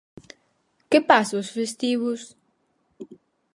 ¿Que pasa os festivos?